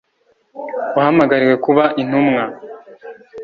wahamagariwe kuba intumwa